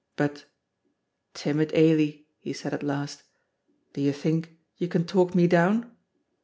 But, "Timid Ailie," he said at last, "do you think you can talk me down?"